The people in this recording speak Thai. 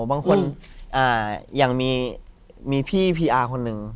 บางคนอย่างมีพี่พีอาร์คนหนึ่ง